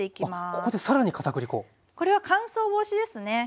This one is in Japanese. これは乾燥防止ですね。